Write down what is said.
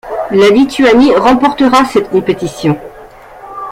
La Lituanie remportera cette compétition.